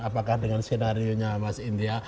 apakah dengan senarionya mas intia